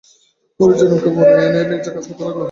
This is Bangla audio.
বনের জানোয়ারকে বশে এনে নিজের কাজ করতে লাগল।